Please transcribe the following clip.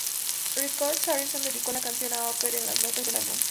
Records, Harrison dedicó la canción a Alpert en las notas del álbum.